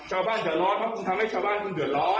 ชาวบ้านเหลือร้อนเพราะคุณทำให้ชาวบ้านเหลือร้อน